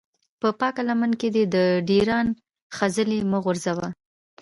په پاکه لمن کې دې د ډېران خځلې مه غورځوه.